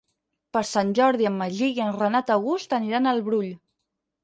Per Sant Jordi en Magí i en Renat August aniran al Brull.